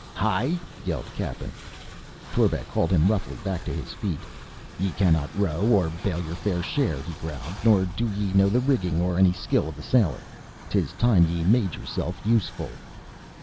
"Hi!" yelled Cappen. Torbek hauled him roughly back to his feet. "Ye cannot row or bail yer fair share," he growled, "nor do ye know the rigging or any skill of a sailor 'tis time ye made yerself useful!"